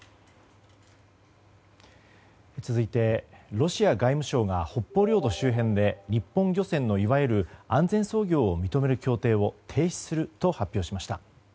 続いて、ロシア外務省が北方領土周辺で日本漁船のいわゆる安全操業を認める協定を停止すると発表しました。